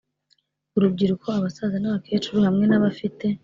urubyiruko abasaza n abakecuru hamwe n abafite